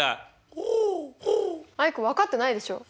アイク分かってないでしょ？